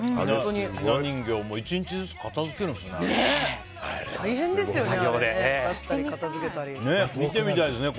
ひな人形、１日ずつ片づけるんですね。